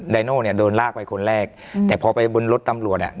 ไนโน่เนี่ยโดนลากไปคนแรกแต่พอไปบนรถตำรวจอ่ะ